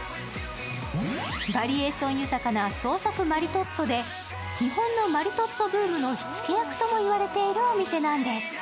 バリエーション豊かな創作マリトッツォで日本のマリトッツォブームの火付け役とも言われているお店なんです。